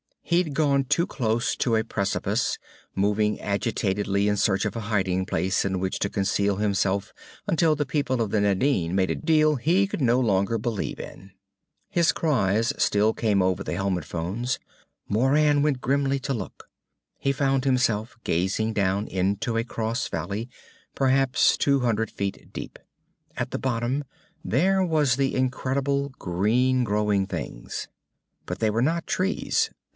He'd gone too close to a precipice, moving agitatedly in search of a hiding place in which to conceal himself until the people of the Nadine made a deal he could no longer believe in. His cries still came over the helmet phones. Moran went grimly to look. He found himself gazing down into a crossvalley perhaps two hundred feet deep. At the bottom there was the incredible, green growing things. But they were not trees.